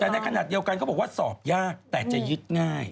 แต่ในขณะเดียวกันเขาบอกว่าสอบยากแต่จะยึดง่าย